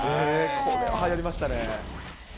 これははやりましたね。